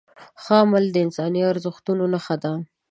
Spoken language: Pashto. ښه عمل د انساني ارزښتونو نښه ده.